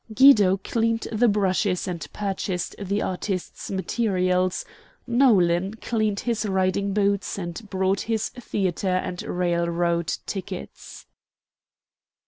Guido cleaned the brushes and purchased the artists' materials; Nolan cleaned his riding boots and bought his theatre and railroad tickets.